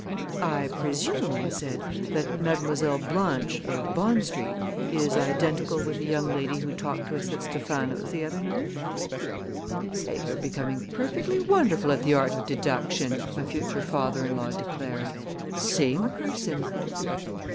"I presume," I said, "that Mademoiselle Blanche, of Bond Street, is identical with the young lady who talked to us at Stephano's the other night?" "Say, you're becoming perfectly wonderful at the art of deduction!" my future father in law declared. "Same person!"